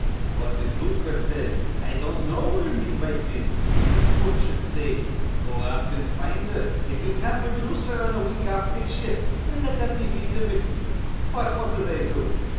But, if Lootgert says, 'I don't know where me wife is,' the coort shud say: 'Go out, an' find her. If ye can't projooce her in a week, I'll fix ye.' An' let that be th' end iv it. "But what do they do?